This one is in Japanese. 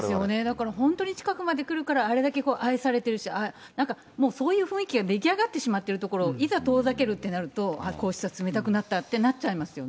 だから本当に近くまで来るから、あれだけ愛されてるし、なんかもうそういう雰囲気が出来上がってしまってるところ、いざ遠ざけるってなると、こうした、冷たくなったってなっちゃいますよね。